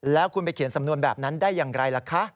แล้วคุณไปเขียนสำนวนแบบนั้นได้อย่างไรล่ะคะ